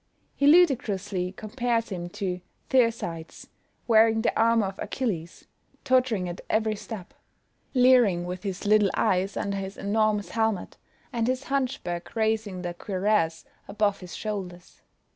He ludicrously compares him to Thersites wearing the armour of Achilles, tottering at every step; leering with his little eyes under his enormous helmet, and his hunchback raising the cuirass above his shoulders.